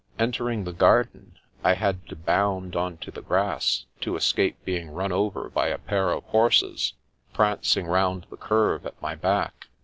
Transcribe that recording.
Entering the garden, I had to bound onto the grass, to escape being run over by a pair of horses prancing round the curve, at my back.